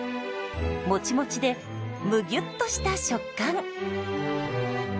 もちもちでむぎゅっとした食感。